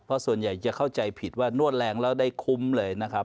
เพราะส่วนใหญ่จะเข้าใจผิดว่านวดแรงแล้วได้คุ้มเลยนะครับ